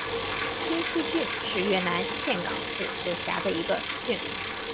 清溪郡是越南岘港市所辖的一个郡。